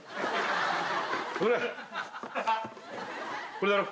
これだろ？